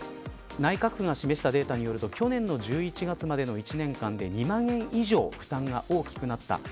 内閣府が示したデータによると去年の１１月までの１年間で２万円以上負担が大きくなった。